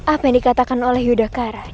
apa yang dikatakan oleh yudhakara